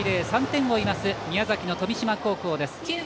３点を追う宮崎の富島高校です。